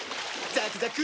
ザクザク！